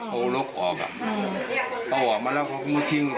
เป็นหมอสมิยะประจำของบ้านไหนที่คนแท่งลูกเท่งอะไร